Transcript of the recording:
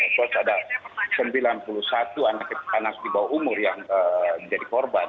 plus ada sembilan puluh satu anak anak di bawah umur yang menjadi korban